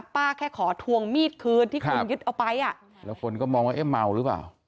แค่ขอทวงมีดคืนที่คนยึดเอาไปอ่ะแล้วคนก็มองว่าเอ๊ะเมาหรือเปล่า